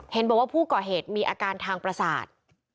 เห็นบอกว่าผู้ก่อเหตุมีอาการทางประสาท